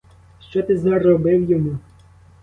Що ти зробив йому?!